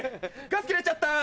ガス切れちゃった